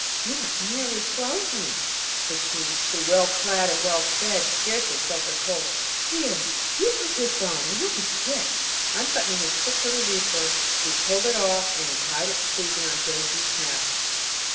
"You look nearly frozen," said Keith, who, well clad and well fed, scarcely felt the cold. "Here! put this on, or you'll be sick," Unbuttoning his thick little reefer, he pulled it off and tied its sleeves around Jonesy's neck.